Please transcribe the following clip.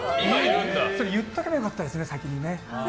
それを言っておけばよかったですね、先に。